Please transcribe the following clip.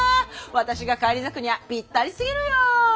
私が返り咲くにはぴったりすぎるよ。